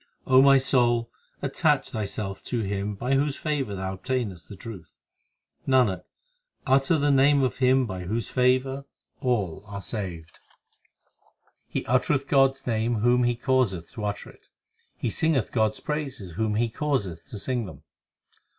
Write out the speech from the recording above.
O my soul, attach thyself to Him By whose favour thou obtainest the truth. Nanak, utter the, name of Him By whose favour all are saved. 8 He uttereth God s name whom He causeth to utter it ; He singeth God s praises whom He causeth to sing them.